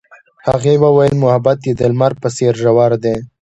هغې وویل محبت یې د لمر په څېر ژور دی.